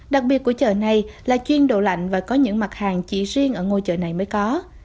đặc biệt của chợ này là chuyên đồ lạnh và có những mặt hàng chỉ riêng ở ngôi chợ này mới có